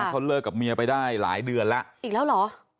เขาเลิกกับเมียไปได้หลายเดือนแล้วอีกแล้วเหรอ